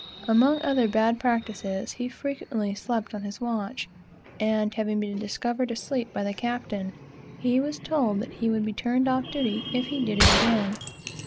Among other bad practices, he frequently slept on his watch, and having been discovered asleep by the captain, he was told that he would be turned off duty if he did it again.